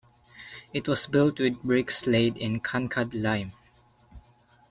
It was built with bricks laid in kankad lime.